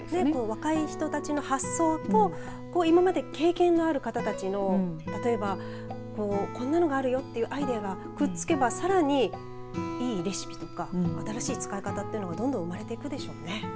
若い人たちの発想と今まで経験のある方たちの例えば、こんなのがあるよというアイデアがくっつけば、さらにいいレシピとか新しい使い方というのがどんどん生まれていくでしょうね。